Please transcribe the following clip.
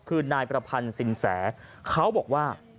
คือนายประพันธ์สินแสเขาบอกว่า